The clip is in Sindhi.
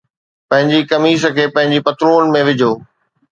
پنھنجي قميص کي پنھنجي پتلون ۾ وجھو